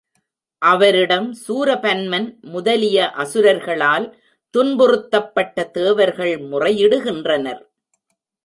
அவரிடம் சூரபன்மன் முதலிய அசுரர்களால் துன்புறுத்தப்பட்ட தேவர்கள் முறையிடுகின்றனர்.